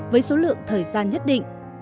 với số lượng thời gian nhất định